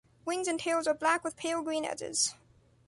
Wings and tails are black with pale green edges.